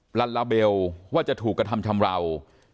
ลัลลาเบลว่าจะถูกกระทำชำราว